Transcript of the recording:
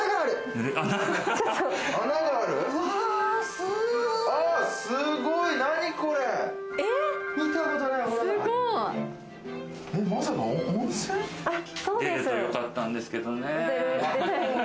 出るとよかったんですけどね。